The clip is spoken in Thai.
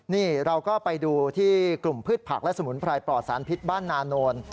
นี่เราก็ไปดูที่กลุ่มพืชผักและสมุนไพรปลอดสารพิษบ้านนาโนน